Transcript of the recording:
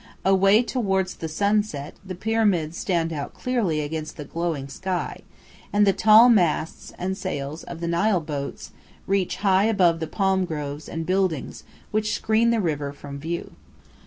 Away towards the sunset the pyramids stand out clearly against the glowing sky, and the tall masts and sails of the Nile boats reach high above the palm groves and buildings which screen the river from view.